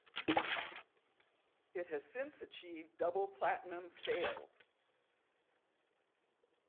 It has since achieved double-platinum sales.